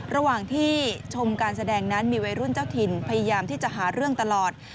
ระหว่างที่ชมการแสดงนั้นมีวัยรุ่นเจ้าถิ่นพยายามที่จะหาเรื่องตลอด